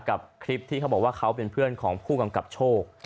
กับคลิปที่เขาบอกว่าเขาเป็นเพื่อนของผู้กำกับโชค